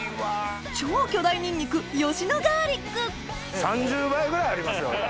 超巨大ニンニク吉野ガーリック３０倍ぐらいありますよ。